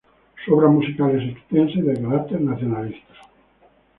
Su obra musical es extensa y de carácter nacionalista.